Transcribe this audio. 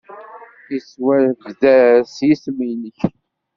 Yettwabder-d yisem-nnek.